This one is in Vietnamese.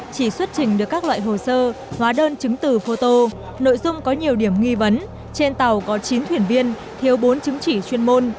chỉ xuất trình được các loại hồ sơ hóa đơn chứng từ photo nội dung có nhiều điểm nghi vấn trên tàu có chín thuyền viên thiếu bốn chứng chỉ chuyên môn